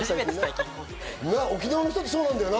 沖縄の人ってそうなんだよな。